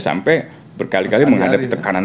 sampai berkali kali menghadapi tekanan